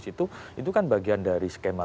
situ itu kan bagian dari skema